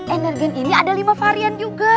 energan ini ada lima varian juga